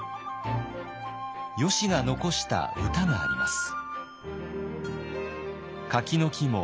よしが残した歌があります。